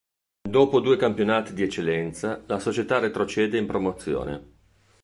Dopo due campionati di Eccellenza la società retrocede in Promozione.